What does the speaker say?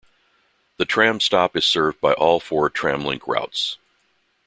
The tram stop is served by all four Tramlink routes.